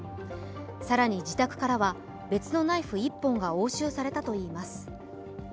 更に、自宅からは別のナイフ１本が押収されたといいます。